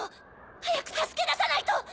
早く助け出さないと。